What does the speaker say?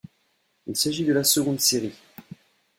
Il s'agit de la seconde série.